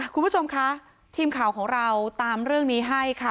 คุณผู้ชมคะทีมข่าวของเราตามเรื่องนี้ให้ค่ะ